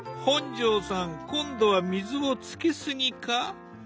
本上さん今度は水をつけすぎか？